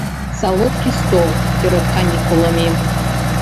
Салодкі стол перад канікуламі.